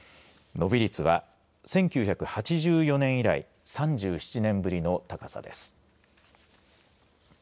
伸び率は１９８４年以来３７年ぶりの高さです。